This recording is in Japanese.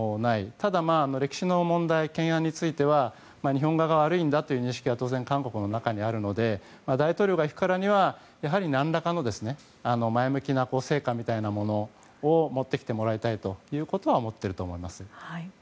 ただ歴史の問題、懸案について日本側が悪いんだという認識が当然、韓国にあるので大統領が行くからにはやはり、何らかの前向きな成果みたいなものを持ってきてもらいたいということは思っていると思います。